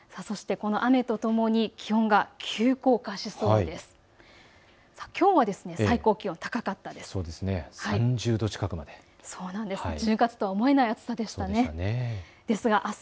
この雨とともに気温が急降下しそうなんです。